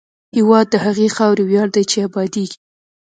هېواد د هغې خاورې ویاړ دی چې ابادېږي.